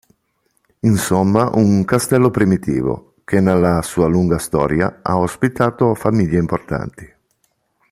Insomma un castello primitivo, che nella sua lunga storia ha ospitato famiglie importanti.